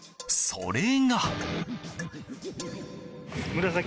それが。